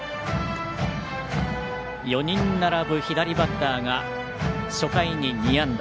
４人並ぶ左バッターが初回に２安打。